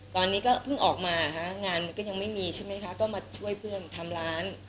ตอนนี้ก็เพิ่งออกมาค่ะงานก็ยังไม่มีใช่ไหมคะก็มาช่วยเพื่อนทำร้าน